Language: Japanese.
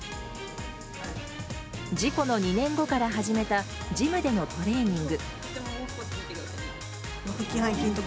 事故の２年後から始めたジムでのトレーニング。